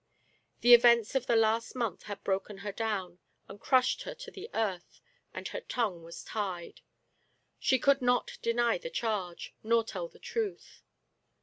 The events of the last month had broken her down, and crushed her to the earth, and her tongue was tied. She could not deny the charge, nor tell the truth.